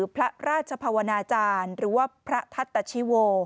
ทั้งหมดหลานั้นจะถูกปีน